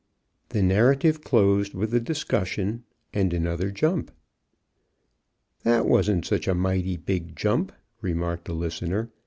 The narrative closed with a discussion and another jump. "That wasn't such a mighty big jump," remarked a listener.